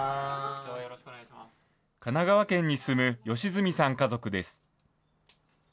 神奈川県に住む吉住さん家族です。